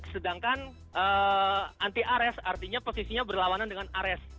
sedangkan anti ares artinya posisinya berlawanan dengan ares